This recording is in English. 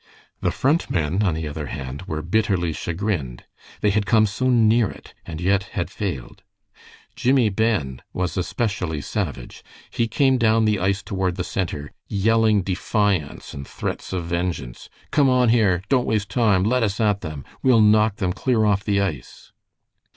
The Front men, on the other hand, were bitterly chagrined. They had come so near it, and yet had failed. Jimmie Ben was especially savage. He came down the ice toward the center, yelling defiance and threats of vengeance. "Come on here! Don't waste time. Let us at them. We'll knock them clear off the ice."